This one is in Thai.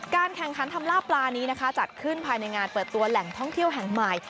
แข่งขันทำลาบปลานี้นะคะจัดขึ้นภายในงานเปิดตัวแหล่งท่องเที่ยวแห่งใหม่